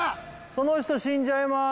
その人死んじゃいます